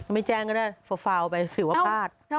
ไม่แจ้งก็ได้ฝ่าเอาไปสื่อว่ากล้าด